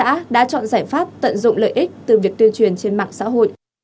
bản xã đã chọn giải pháp tận dụng lợi ích từ việc tuyên truyền trên mạng xã hội